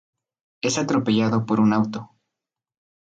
Es atropellado por un auto.